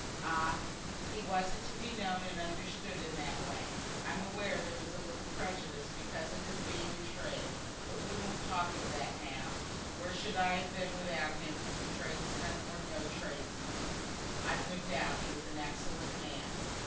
"Ah! he wasn't to be known and understood in that way. I'm aware there was a little prejudice, because of his being in trade, but we won't talk of that now. Where should I have been without him, tradesman or no tradesman?" "I've no doubt he was an excellent man."